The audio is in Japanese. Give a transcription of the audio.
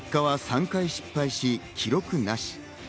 結果は３回失敗し、記録なし。